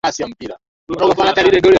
mara nyingi inaruhusiwa na wenye mamlaka